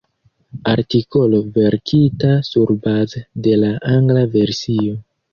Artikolo verkita surbaze de la angla versio.